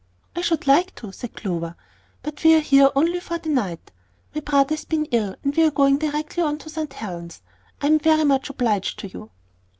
"I should like to," said Clover; "but we are here for only one night. My brother's been ill, and we are going directly on to St. Helen's. I'm very much obliged to you."